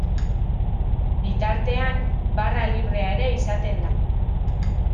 Bitartean barra librea ere izaten da.